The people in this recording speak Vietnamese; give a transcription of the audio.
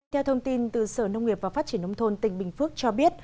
theo thông tin từ sở nông nghiệp và phát triển nông thôn tỉnh bình phước cho biết